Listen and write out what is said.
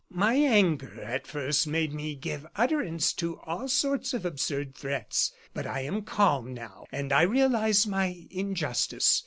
My anger at first made me give utterance to all sorts of absurd threats. But I am calm now, and I realize my injustice.